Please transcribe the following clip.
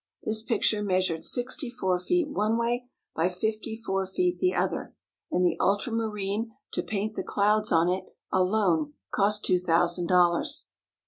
This picture measured sixty four feet one way by fifty four feet the other, and the ultramarine to paint the clouds on it alone cost two thousand dollars.